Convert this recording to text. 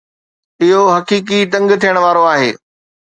اهو حقيقي تنگ ٿيڻ وارو آهي